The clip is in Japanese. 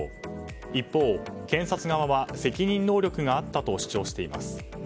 一方、検察側は責任能力があったと主張しています。